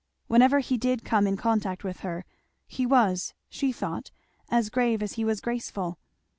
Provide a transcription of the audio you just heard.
Whenever he did come in contact with her, he was, she thought, as grave as he was graceful.